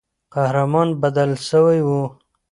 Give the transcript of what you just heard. قهرمان بدل سوی وو.